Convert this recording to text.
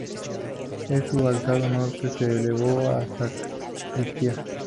En su alzado norte se levantó la sacristía.